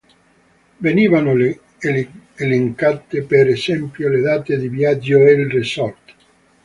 Venivano elencate per esempio le date di viaggio e il resort.